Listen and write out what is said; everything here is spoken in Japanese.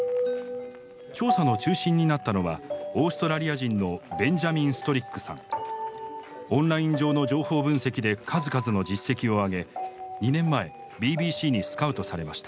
調査の中心になったのはオーストラリア人のオンライン上の情報分析で数々の実績を上げ２年前ＢＢＣにスカウトされました。